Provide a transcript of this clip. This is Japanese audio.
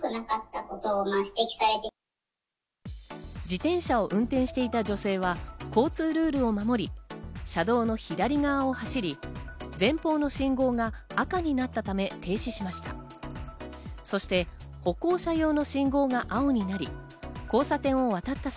自転車を運転していた女性は交通ルールを守り、車道の左側を走り、前方の信号が赤になったため、停止しました。